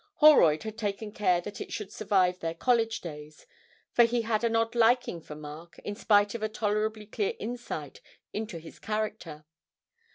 Holroyd had taken care that it should survive their college days; for he had an odd liking for Mark, in spite of a tolerably clear insight into his character.